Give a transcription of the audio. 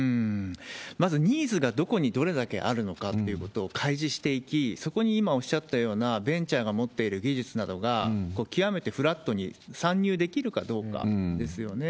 まず、ニーズがどこにどれだけあるのかっていうことを開示していき、そこに今おっしゃったような、ベンチャーが持っている技術などが、極めてフラットに参入できるかどうかですよね。